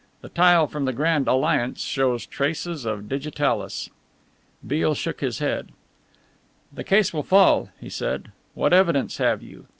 The tile from the Grand Alliance shows traces of digitalis." Beale shook his head. "The case would fall," he said. "What evidence have you?